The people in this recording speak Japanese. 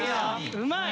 うまい！